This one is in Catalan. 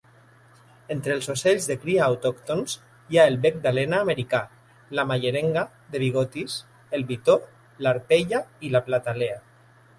Entre els ocells de cria autòctons hi ha el bec d'alena americà, la mallerenga de bigotis, el bitó, l'arpella i la platalea.